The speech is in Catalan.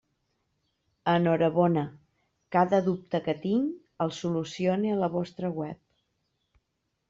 Enhorabona, cada dubte que tinc el solucione a la vostra web.